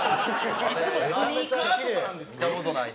いつもスニーカーとかなんですよ。